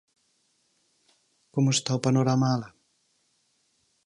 Como está o panorama alá?